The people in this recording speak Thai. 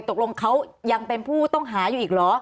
ตกลงเขายังเป็นผู้ต้องหาอยู่อีกเหรอ